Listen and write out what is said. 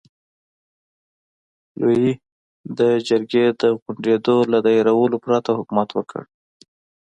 لويي د جرګې د غونډو له دایرولو پرته حکومت وکړ.